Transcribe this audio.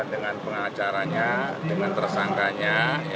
dengan pengacaranya dengan tersangkanya